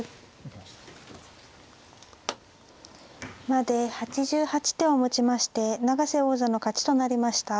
まで８８手をもちまして永瀬王座の勝ちとなりました。